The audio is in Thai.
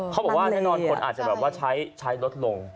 เขาบอกว่าแน่นอนคนอาจจะแบบว่าใช้ลดลง